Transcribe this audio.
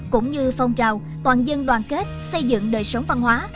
cũng như phong trào toàn dân đoàn kết xây dựng đời sống văn hóa